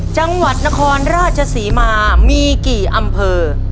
จังหวัดนครราชศรีมามีกี่อำเภอ